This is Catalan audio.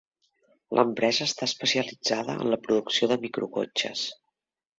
L'empresa està especialitzada en la producció de microcotxes.